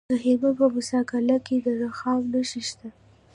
د هلمند په موسی قلعه کې د رخام نښې شته.